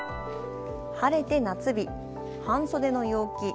晴れて夏日、半袖の陽気。